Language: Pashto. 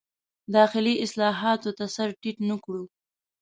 داخلي اصلاحاتو ته سر ټیټ نه کړ.